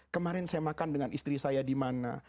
kemarin saya makan dengan istri saya di mana